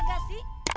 itu yang bikin kita